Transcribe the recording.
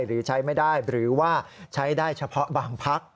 หรือใช้ไม่ได้หรือว่าใช้ได้เฉพาะบางพัก